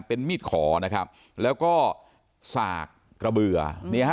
เป็นมีดขอนะครับแล้วก็สากระเบือเนี่ยฮะ